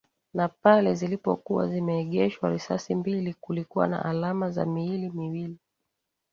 Na pale zilipokuwa zimeegeshwa risasi mbili kulikuwa na alama za miili miwili